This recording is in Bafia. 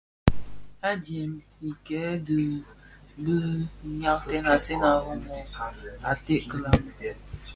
Adyèm i dhikèn dü di nshaaktèn; Asèn a Rimoh a ted kilami.